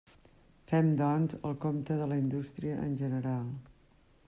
Fem, doncs, el compte de la indústria en general.